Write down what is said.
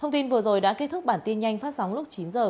xin kính chào tạm biệt và hẹn gặp lại